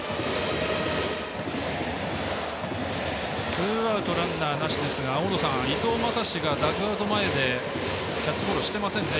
ツーアウト、ランナーなしですが伊藤将司がダグアウト前でキャッチボールしてませんね。